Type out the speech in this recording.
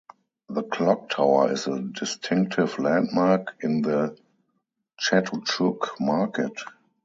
The clock tower is a distinctive landmark in the Chatuchuk Market.